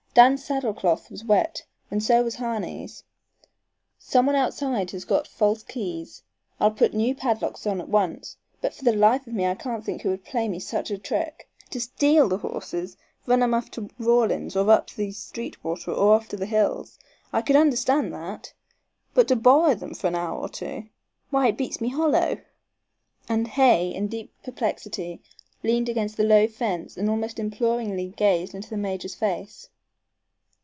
Dan's saddle cloth was wet and so was Harney's. Some one outside has got false keys, I'll put new padlocks on at once, but for the life of me I can't think who would play me such a trick. To steal the horses, run 'em off to Rawlins or up the Sweetwater or off to the Hills I could understand that! but to borrow them for an hour or two, why, it beats me hollow!" And Hay in deep perplexity leaned against the low fence and almost imploringly gazed into the major's face.